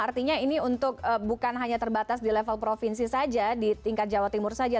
artinya ini untuk bukan hanya terbatas di level provinsi saja di tingkat jawa timur saja